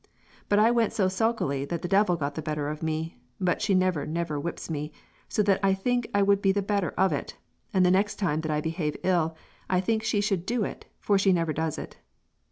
But I went so sulkily that the Devil got the better of me but she never never never whips me so that I think I would be the better of it and the next time that I behave ill I think she should do it for she never does it....